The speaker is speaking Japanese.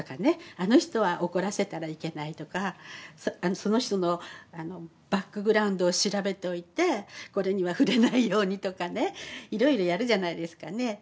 あの人は怒らせたらいけないとかその人のバックグラウンドを調べておいてこれには触れないようにとかねいろいろやるじゃないですかね。